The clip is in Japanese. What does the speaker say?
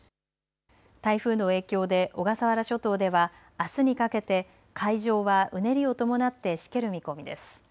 台風の影響で小笠原諸島ではあすにかけて海上はうねりを伴ってしける見込みです。